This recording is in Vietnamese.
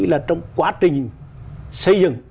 là trong quá trình xây dựng